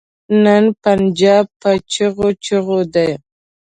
نن پنجاب په چيغو چيغو دی.